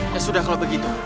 ya sudah kalau begitu